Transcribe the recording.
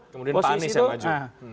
kemudian pak anies yang maju